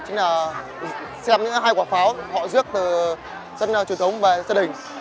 hai quả pháo họ rước từ sân truyền thống về sân đỉnh